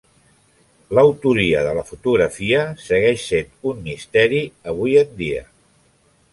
L'autoria de la fotografia segueix sent un misteri avui en dia.